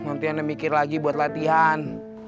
nanti anda mikir lagi buat latihan